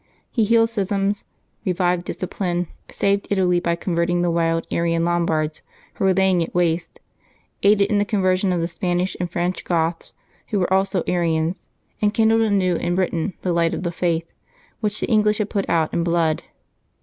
He healed schisms; revived discipline; saved Italy by convert ing the wild Arian Lombards who were laying it waste; aided in the conversion of the Spanish and French Goths, who were also Arians; and kindled anew in Britain the light of the Faith, which the English had put out in blood.